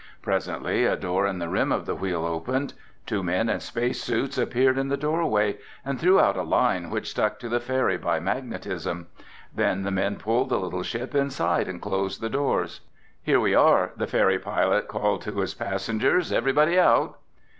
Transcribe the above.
Presently a door in the rim of the Wheel opened. Two men in space suits appeared in the doorway and threw out a line which stuck to the ferry by magnetism. Then the men pulled the little ship inside and closed the doors. "Here we are!" the ferry pilot called to his passengers. "Everybody out!"